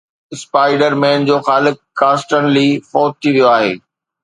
spider Man جو خالق ڪارسٽن لي فوت ٿي ويو آهي